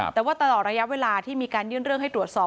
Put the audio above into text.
แต่ว่าตลอดระยะเวลาที่มีการยื่นเรื่องให้ตรวจสอบ